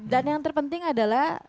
dan yang terpenting adalah